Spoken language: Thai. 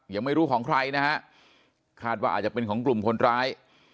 ยังไม่รู้ของใครนะฮะคาดว่าอาจจะเป็นของกลุ่มคนร้าย